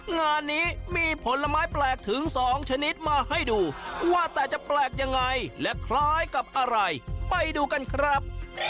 งานนี้มีผลไม้แปลกถึงสองชนิดมาให้ดูว่าแต่จะแปลกยังไงและคล้ายกับอะไรไปดูกันครับ